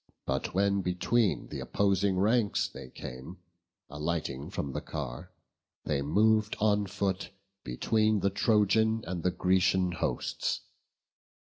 But when between th' opposing ranks they came, Alighting from the car, they mov'd on foot Between the Trojan and the Grecian hosts.